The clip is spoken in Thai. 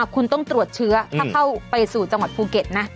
คุณต้องตรวจเชื้อถ้าเข้าไปสู่จังหวัดภูเก็ตนะ